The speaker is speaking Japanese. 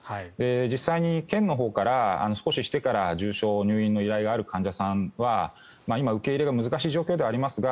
実際に県のほうから少ししてから重症の依頼のある患者さんは今、受け入れが難しい状況ではありますが